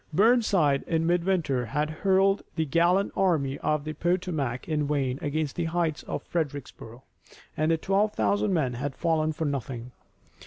Burnside, in midwinter, had hurled the gallant Army of the Potomac in vain against the heights of Fredericksburg, and twelve thousand men had fallen for nothing.